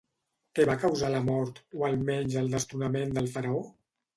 Què va causar la mort, o almenys el destronament del faraó?